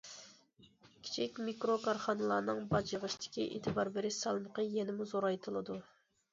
كىچىك مىكرو كارخانىلارنىڭ باج يىغىشتىكى ئېتىبار بېرىش سالمىقى يەنىمۇ زورايتىلىدۇ.